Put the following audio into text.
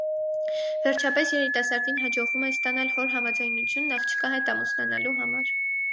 Վերջապես երիտասարդին հաջողվում է ստանալ հոր համաձայնությունն աղջկա հետ ամուսնանալու համար։